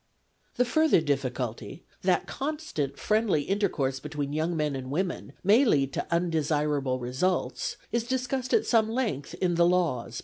The further difficulty, that constant friendly inter course between young men and women may lead to undesirable results is discussed at some length in the Laws, p.